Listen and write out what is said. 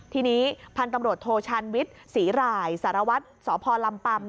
ทีนี้พันธุ์ตำรวจโทชานวิทย์ศรีหร่ายสารวัตรสพลำปัม